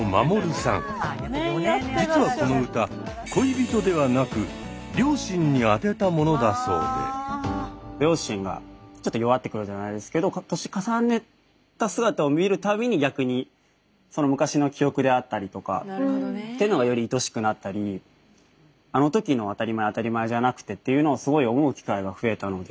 実はこの歌恋人ではなく両親がちょっと弱ってくるじゃないですけど年を重ねた姿を見るたびに逆に昔の記憶であったりとかっていうのがよりいとおしくなったりあの時の当たり前は当たり前じゃなくてっていうのをすごい思う機会が増えたので。